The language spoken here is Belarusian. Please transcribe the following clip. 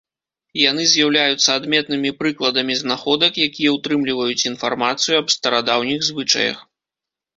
Яны з'яўляюцца адметнымі прыкладамі знаходак, якія ўтрымліваюць інфармацыю аб старадаўніх звычаях.